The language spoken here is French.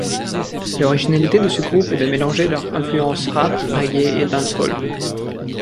L'originalité de ce groupe est de mélanger leurs influences rap, reggae et dancehall.